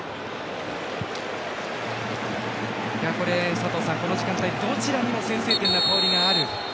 佐藤さん、この時間帯どちらにも先制点の香りがある。